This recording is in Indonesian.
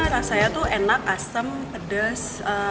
rasanya tuh enak asem pedas